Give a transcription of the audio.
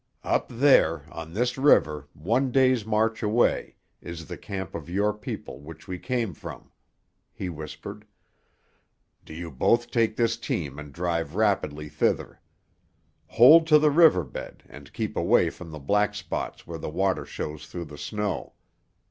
"Up there, on this river, one day's march away, is the camp of your people, which we came from," he whispered. "Do you both take this team and drive rapidly thither. Hold to the river bed and keep away from the black spots where the water shows through the snow.